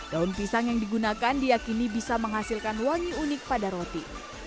daun pisang yang digunakan diakini bisa menghasilkan wangi unik pada roti